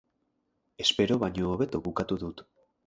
Espero baino hobeto bukatu dut.